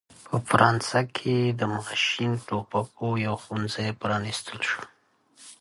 A machine gun school was also opened in France.